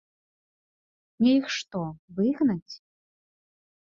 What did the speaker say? Мне іх што, выгнаць?